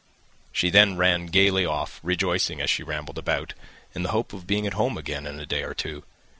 She then ran gaily off, rejoicing, as she rambled about, in the hope of being at home again in a day or two.